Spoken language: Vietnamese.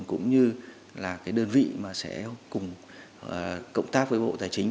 cũng như là cái đơn vị mà sẽ cùng cộng tác với bộ tài chính